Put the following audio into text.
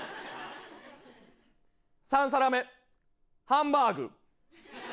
「３皿目ハンバーグ」。